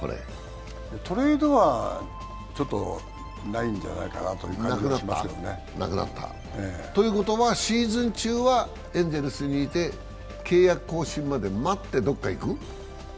トレードはないんじゃないかなという感じしますけどね。ということは、シーズン中はエンゼルスにいて契約更新まで待ってどっか行く？